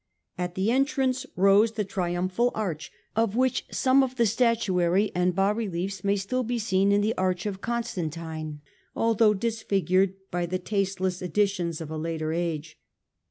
At the entrance rose the triumphal arch, of which some of the statuary and bas reliefs may still be seen in the arch of Constantine, although disfigured by the taste less additions of a later age.